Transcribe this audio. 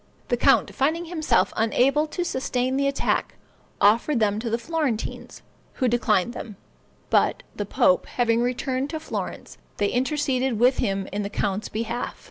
The count, finding himself unable to sustain the attack, offered them to the Florentines, who declined them; but the pope having returned to Florence, they interceded with him in the count's behalf.